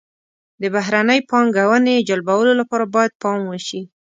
د بهرنۍ پانګونې جلبولو لپاره باید پام وشي.